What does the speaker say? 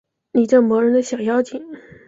你这磨人的小妖精